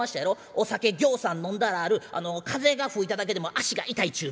お酒ぎょうさん飲んだらある風が吹いただけでも足が痛いちゅう